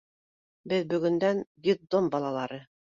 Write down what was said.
Беҙ бөгөндән — детдом балалары.